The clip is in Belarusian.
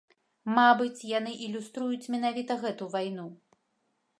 Мабыць, яны ілюструюць менавіта гэту вайну.